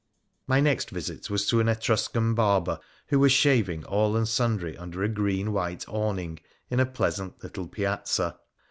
My next visit was to an Etruscan barber, who was shaving all and sundry under a green white awning, in a pleasant little piazza.